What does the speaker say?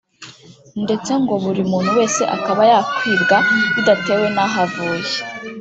ndetse ngo buri muntu wese akaba yakwibwa bidatewe na ho avuye